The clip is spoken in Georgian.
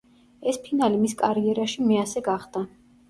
ეს ფინალი მის კარიერაში მეასე გახდა.